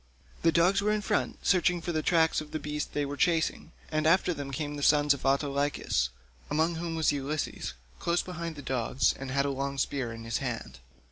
The dogs were in front searching for the tracks of the beast they were chasing, and after them came the sons of Autolycus, among whom was Ulysses, close behind the dogs, and he had a long spear in his hand.